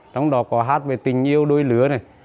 trong đó có hát về tình yêu đôi lứa này